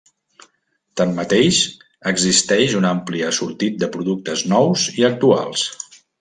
Tanmateix existeix un ampli assortit de productes nous i actuals.